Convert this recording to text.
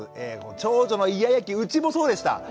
長女のイヤイヤ期うちもそうでした。